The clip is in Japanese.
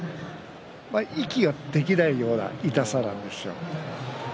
息ができないような痛さなんですよね。